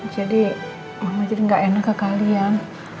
jadi mama jadi gak enak ke kalian